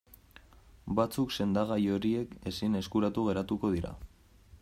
Batzuk sendagai horiek ezin eskuratu geratuko dira.